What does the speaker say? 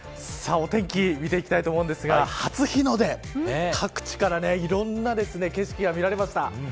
さあ、お天気見ていきたいと思うんですが初日の出、各地からいろんな景色が見られました。